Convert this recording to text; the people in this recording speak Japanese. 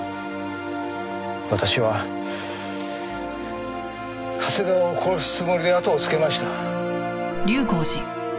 私は長谷川を殺すつもりであとをつけました。